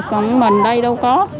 còn mình đây đâu có